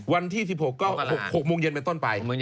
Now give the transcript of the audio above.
วันที่วันที่๑๖ก็๖โมงกว่าเย็นเป็นต้นไป